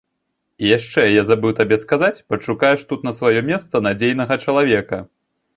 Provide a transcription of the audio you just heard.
І яшчэ, я забыў табе сказаць, падшукаеш тут на сваё месца надзейнага чалавека.